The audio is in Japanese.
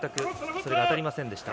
それが当たりませんでした。